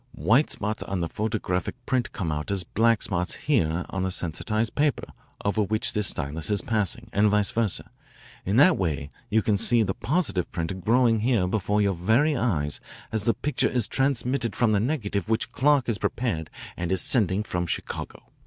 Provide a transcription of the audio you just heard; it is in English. White spots on the photographic print come out as black spots here on the sensitised paper over which this stylus is passing, and vice versa. In that way you can see the positive print growing here before your very eyes as the picture is transmitted from the negative which Clark has prepared and is sending from Chicago."